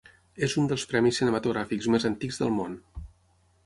És un dels premis cinematogràfics més antics del món.